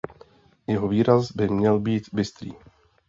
Jeho výraz by měl být bystrý.